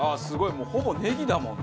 もうほぼネギだもんね。